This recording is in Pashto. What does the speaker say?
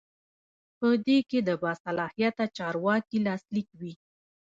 په دې کې د باصلاحیته چارواکي لاسلیک وي.